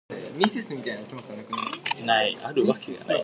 At some point Bertolucci discussed this project with Warren Beatty in Rome.